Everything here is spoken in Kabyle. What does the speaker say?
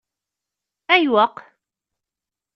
Ayweq?